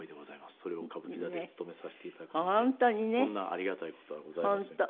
それを歌舞伎座で勤めさせて頂くなんてこんなありがたい事はございません。